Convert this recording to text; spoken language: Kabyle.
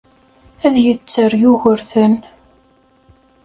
Ad yetter Yugurten.